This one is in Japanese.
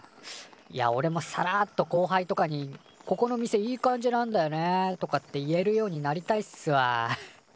いやおれもさらっとこうはいとかに「ここの店いい感じなんだよね」とかって言えるようになりたいっすわ。